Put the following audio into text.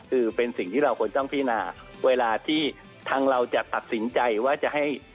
คือเป็นสิ่งที่เราควรต้องพินาเวลาที่ทางเราจะตัดสินใจว่าจะให้